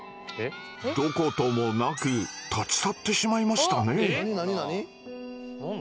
どこともなく立ち去ってしまいましたね。